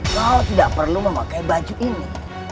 kau tidak perlu memakai baju ini